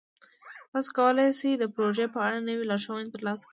تاسو کولی شئ د پروژې په اړه نوې لارښوونې ترلاسه کړئ.